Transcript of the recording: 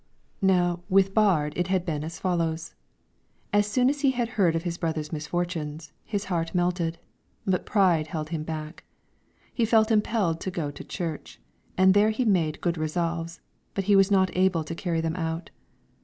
Now with Baard it had been as follows: As soon as he had heard of his brother's misfortunes, his heart melted; but pride held him back. He felt impelled to go to church, and there he made good resolves, but he was not able to carry them out.